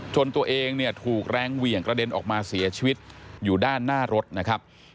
ตัวเองเนี่ยถูกแรงเหวี่ยงกระเด็นออกมาเสียชีวิตอยู่ด้านหน้ารถนะครับ